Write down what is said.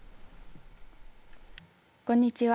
こんにちは。